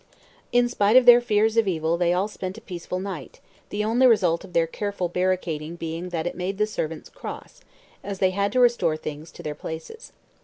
In spite of their fears of evil they all spent a peaceful night, the only result of their careful barricading being that it made the servants cross, as they had to restore things to their places.